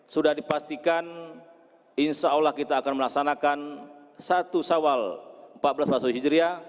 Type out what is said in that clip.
sudah dipastikan insyaallah kita akan melaksanakan satu sawal empat belas masjid hijriah